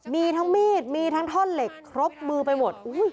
มีทั้งมีดมีทั้งท่อนเหล็กครบมือไปหมด